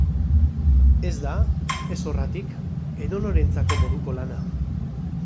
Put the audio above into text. Ez da, ez horratik, edonorentzako moduko lana.